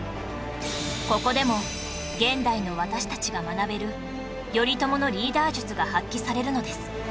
ここでも現代の私たちが学べる頼朝のリーダー術が発揮されるのです